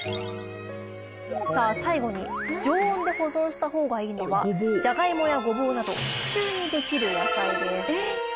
さあ最後に常温で保存した方がいいのはジャガイモやゴボウなど地中にできる野菜です。